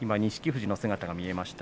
富士の姿が見えました。